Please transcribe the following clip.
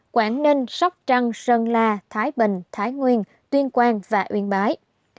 quảng ninh sóc trăng sơn la thái bình thái nguyên tuyên quang và uyên bái